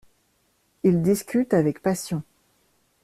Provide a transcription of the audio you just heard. Ils discutent avec passion.